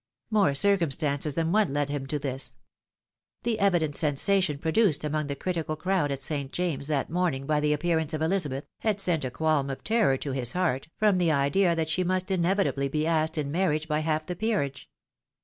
More circumstances than one led him to this. The evident sensation produced among the critical crowd at St. James's that morning by the appearance of Elizabeth, had sent a qualm of terror to liis heart, from the idea that she must inevitably be asked in marriage by half the peerage.